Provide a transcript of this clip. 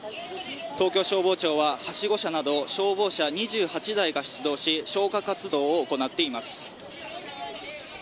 東京消防庁は、はしご車など消防車２８台が出動し消火活動を行っています。